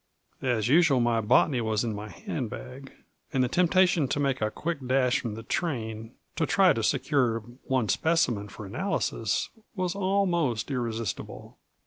As usual my botany was in my handbag; and the temptation to make a quick dash from the train, to try to secure one specimen for analysis, was almost irresistible.